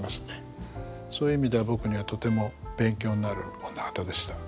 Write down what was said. そういう意味では僕にはとても勉強になる女方でした。